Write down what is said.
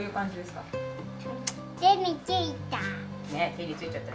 手についた。